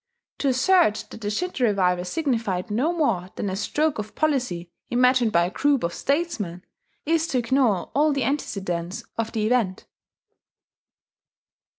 To assert that the Shinto revival signified no more than a stroke of policy imagined by a group of statesmen, is to ignore all the antecedents of the event.